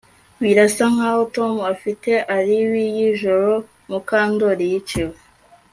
Birasa nkaho Tom afite alibi yijoro Mukandoli yiciwe